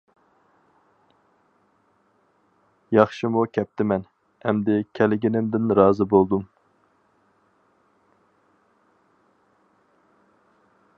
ياخشىمۇ كەپتىمەن، ئەمدى كەلگىنىمدىن رازى بولدۇم.